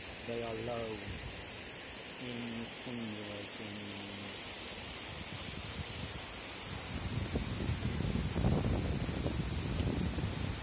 They are low, insinuating, hissing.